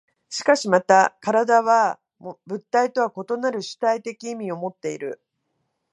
しかしまた身体は物体とは異なる主体的意味をもっている。